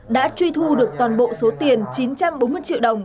đã truy thu được toàn bộ số tiền chín trăm bốn mươi triệu đồng